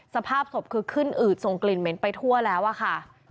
สภาพศพคือขึ้นอืดส่งกลิ่นเหม็นไปทั่วแล้วอะค่ะ